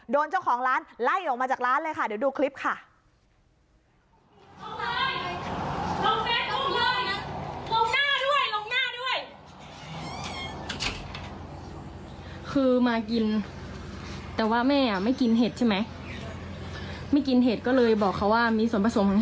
โดนเจ้าของร้านไล่ออกมาจากร้านเลยค่ะเดี๋ยวดูคลิปค่ะ